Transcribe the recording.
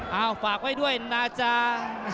เอาฝากไว้ด้วยนะจ๊ะ